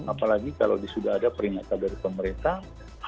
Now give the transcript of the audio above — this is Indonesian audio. apalagi kalau sudah ada peringatan dari pemerintah